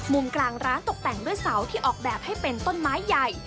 กลางร้านตกแต่งด้วยเสาที่ออกแบบให้เป็นต้นไม้ใหญ่